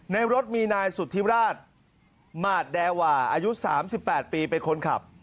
ในรถมีนายสุธิวราชมาดแดว่าอายุสามสิบแปดปีเป็นคนขับ